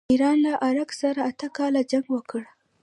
ایران له عراق سره اته کاله جنګ وکړ.